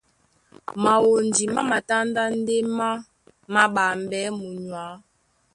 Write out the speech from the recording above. Mawondi má matándá ndé má māɓambɛɛ́ munyuá.